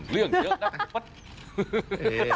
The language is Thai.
เรื่องเยอะนะ